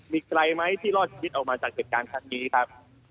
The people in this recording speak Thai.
มีใครไหมที่รอดชีวิตออกมาจากเหตุการณ์ครั้งนี้ครับ